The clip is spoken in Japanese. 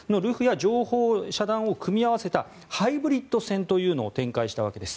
情報遮断を組み合わせたハイブリッド戦というのを展開したわけです。